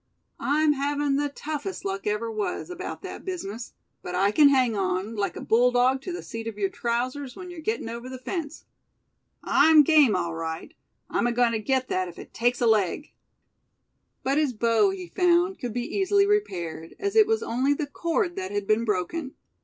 I'm havin' the toughest luck ever was, about that business; but I can hang on, like a bulldog to the seat of your trousers when you're gettin' over the fence. I'm game, all right. I'm agoin' to get that, if it takes a leg." But his bow, he found, could be easily repaired, as it was only the cord that had been broken.